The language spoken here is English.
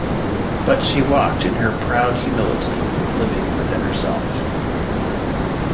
But she walked in her proud humility, living within herself.